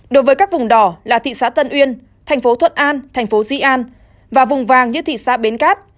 đối với các vùng đỏ là thị xã tân uyên thành phố thuận an thành phố di an và vùng vàng như thị xã bến cát